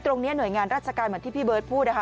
หน่วยงานราชการเหมือนที่พี่เบิร์ตพูดนะคะ